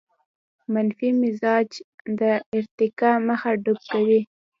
منفي مزاج د ارتقاء مخه ډب کوي.